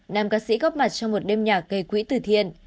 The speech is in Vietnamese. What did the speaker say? nam ca sĩ góp mặt trong một đêm nhạc gây quỹ từ thiện